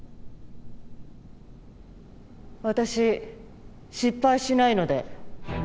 「私失敗しないので」